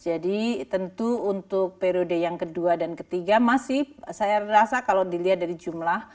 tentu untuk periode yang kedua dan ketiga masih saya rasa kalau dilihat dari jumlah